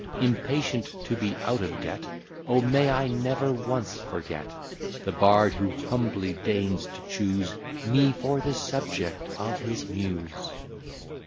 Impatient to be out of debt, O, may I never once forget The bard who humbly deigns to chuse Me for the subject of his Muse!